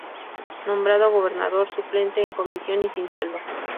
Nombrado gobernador suplente, en comisión y sin sueldo.